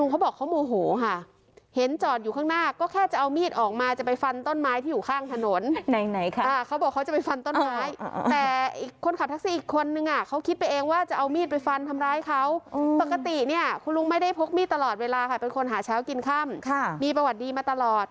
เป็นคนหาเช้ากินคำมีประวัติดีมาตลอด